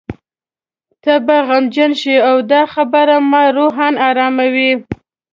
ته به غمجن شې او دا خبره ما روحاً اراموي.